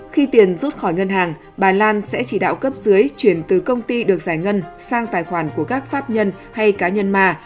khi tiền rút khỏi ngân hàng bà lan sẽ chỉ đạo cấp dưới chuyển từ công ty được giải ngân sang tài khoản của các pháp nhân hay cá nhân mà